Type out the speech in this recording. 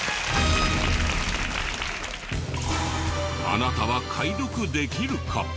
あなたは解読できるか？